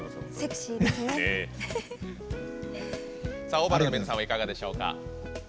Ｏｖａｌｌの皆さんはいかがでしょうか？